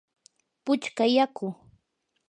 puchka yaku.